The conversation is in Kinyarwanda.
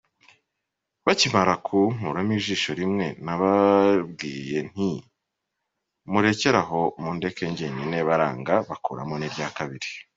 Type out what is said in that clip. Bakimara kunkuramo ijisho rimwe nababwiye nti murekeraho mundeke njyenyine baranga, bakuramo n’irya kabiri.